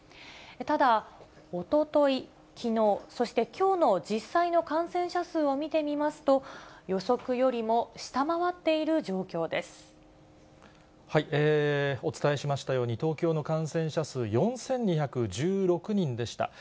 ただ、おととい、きのう、そしてきょうの実際の感染者数を見てみますと、予測よりも下回っお伝えしましたように、東京の感染者数４２１６人でした。